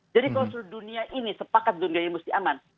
jadi kalau seluruh dunia ini sepakat dunia ini mesti aman